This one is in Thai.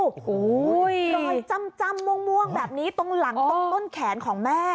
รอยจำม่วงแบบนี้ตรงหลังต้นแขนของแม่